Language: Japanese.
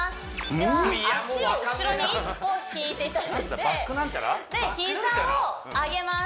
では足を後ろに１歩引いていただいてで膝を上げます